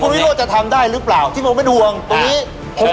คุณวิโรธจะทำได้หรือเปล่าที่ผมไม่ดวงตรงนี้